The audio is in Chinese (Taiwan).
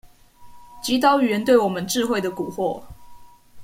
擊倒語言對我們智慧的蠱惑